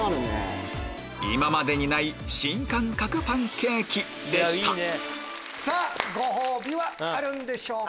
今までにない新感覚パンケーキでしたご褒美はあるんでしょうか？